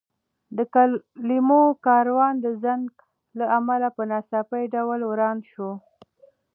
د کلمو کاروان د زنګ له امله په ناڅاپي ډول وران شو.